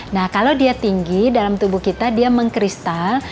nah kalau dia tinggi dalam tubuh kita dia mengkristal